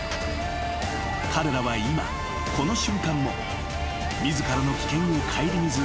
［彼らは今この瞬間も自らの危険を顧みず］